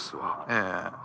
ええ。